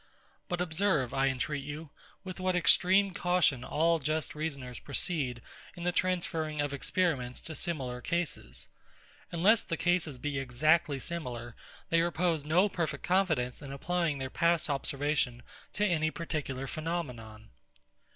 But observe, I entreat you, with what extreme caution all just reasoners proceed in the transferring of experiments to similar cases. Unless the cases be exactly similar, they repose no perfect confidence in applying their past observation to any particular phenomenon.